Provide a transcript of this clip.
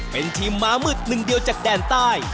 เป็นทีมม้ามืดหนึ่งเดียวจากแดนใต้